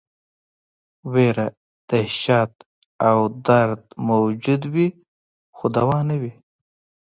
ویره، دهشت او درد موجود وي خو دوا نه وي.